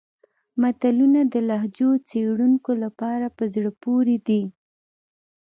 متلونه د لهجو څېړونکو لپاره په زړه پورې دي